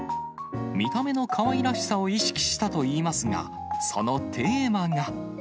見た目のかわいらしさを意識したといいますが、そのテーマが。